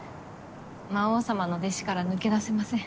魔王様の弟子から抜け出せません。